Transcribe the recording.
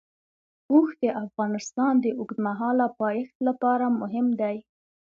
اوښ د افغانستان د اوږدمهاله پایښت لپاره مهم دی.